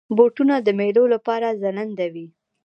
بوټونه د میلو لپاره ځلنده وي.